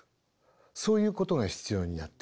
そういうことが必要になってきます。